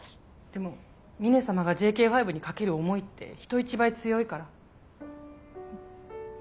でも峰様がＪＫ５に懸ける思いって人一倍強いから。